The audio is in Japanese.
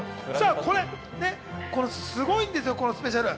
これ、すごいんですよ、このスペシャル。